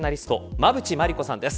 馬渕磨理子さんです。